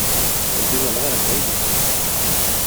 Elle deviendra la mairie du Pré.